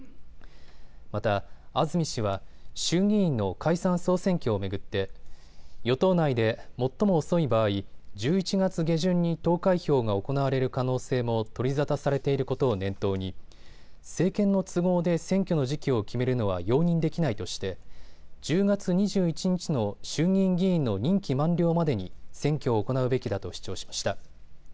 また安住氏は衆議院の解散・総選挙を巡って与党内で、最も遅い場合、１１月下旬に投開票が行われる可能性も取り沙汰されていることを念頭に政権の都合で選挙の時期を決めるのは容認できないとして１０月２１日の衆議院議員の任期満了までに選挙を行うべきだと主張しました。